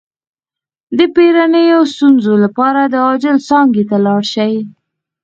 د بیړنیو ستونزو لپاره د عاجل څانګې ته لاړ شئ